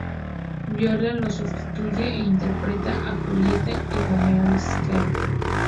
Viola lo sustituye e interpreta a Julieta y Romeo de Shakespeare.